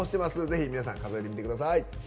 ぜひ皆さん数えてみてください。